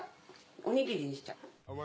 おにぎりにしちゃう。